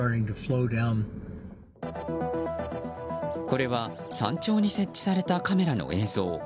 これは山頂に設置されたカメラの映像。